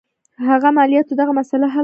هغه مالیاتو دغه مسله حل کړي.